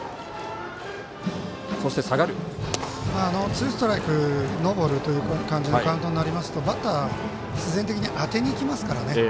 ツーストライクノーボールというカウントになりますとバッター必然的に当てにいきますからね。